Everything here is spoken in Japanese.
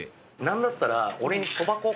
何だったら。